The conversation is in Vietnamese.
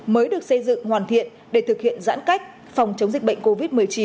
mới được xây dựng hoàn thiện để thực hiện giãn cách phòng chống dịch bệnh covid một mươi chín